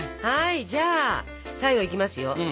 はいじゃあ最後いきますよ。